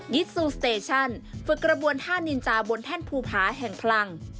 ซูสเตชั่นฝึกกระบวนท่านินจาบนแท่นภูผาแห่งคลัง